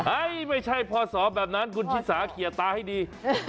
ไม่ใช่พศแบบนั้นคุณชิสาเขียนตาให้ดี